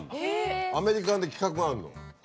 アメリカで規格があるの。